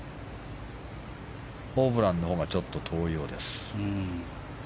ホブランのほうがちょっと遠いようです。